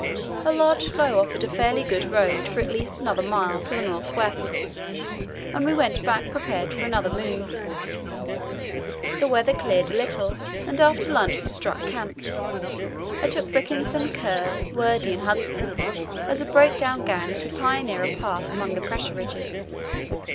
A large floe offered a fairly good road for at least another mile to the north west, and we went back prepared for another move. The weather cleared a little, and after lunch we struck camp. I took Rickenson, Kerr, Wordie, and Hudson as a breakdown gang to pioneer a path among the pressure ridges.